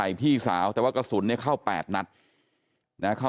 หมดแม็กซ์เลยไหมคะนั่นน่ะ